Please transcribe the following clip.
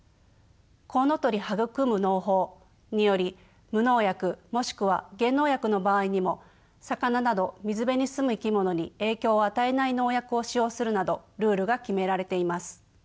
「コウノトリ育む農法」により無農薬もしくは減農薬の場合にも魚など水辺に住む生き物に影響を与えない農薬を使用するなどルールが決められています。